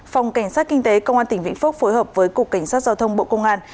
phòng cảnh sát kinh tế công an tỉnh vĩnh phúc phối hợp với cục cảnh sát giao thông bộ công an